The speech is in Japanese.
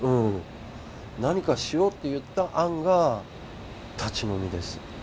何かしようといった案が立ち飲みです。